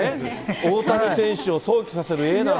大谷選手を想起させるＡなん